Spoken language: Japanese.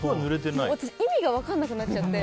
私、意味が分からなくなっちゃって。